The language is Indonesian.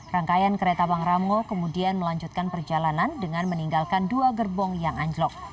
rangkaian kereta bang ramo kemudian melanjutkan perjalanan dengan meninggalkan dua gerbong yang anjlok